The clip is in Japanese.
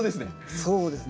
そうですね。